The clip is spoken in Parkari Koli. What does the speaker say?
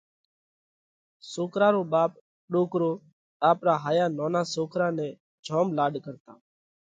سوڪرا رو ٻاپ ڏوڪرو آپرا هايا نونا سوڪرا نئہ جوم لاڏ ڪرتا